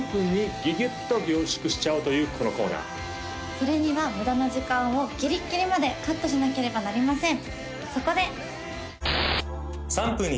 それには無駄な時間をギリッギリまでカットしなければなりません